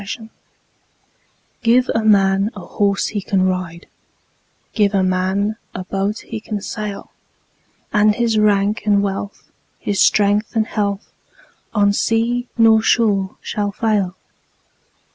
Gifts GIVE a man a horse he can ride, Give a man a boat he can sail; And his rank and wealth, his strength and health, On sea nor shore shall fail.